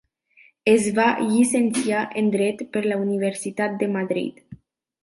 Es va llicenciar en Dret per la Universitat de Madrid.